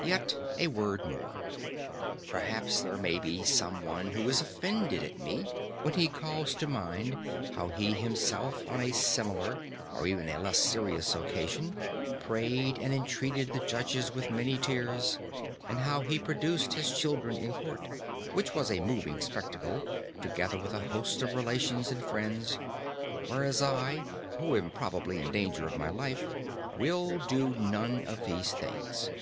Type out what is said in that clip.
Yet a word more. Perhaps there may be some one who is offended at me, when he calls to mind how he himself on a similar, or even a less serious occasion, prayed and entreated the judges with many tears, and how he produced his children in court, which was a moving spectacle, together with a host of relations and friends; whereas I, who am probably in danger of my life, will do none of these things.